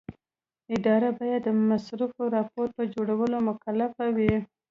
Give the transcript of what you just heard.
اداره باید د مصرفي راپور په جوړولو مکلفه وي.